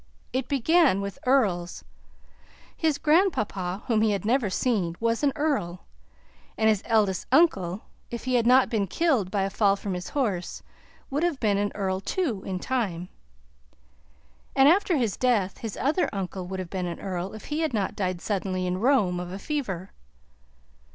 It began with earls: his grandpapa, whom he had never seen, was an earl; and his eldest uncle, if he had not been killed by a fall from his horse, would have been an earl, too, in time; and after his death, his other uncle would have been an earl, if he had not died suddenly, in Rome, of a fever.